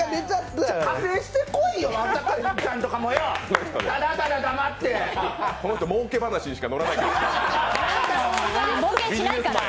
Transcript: ただただ黙ってこの人、もうけ話にしか乗らないから。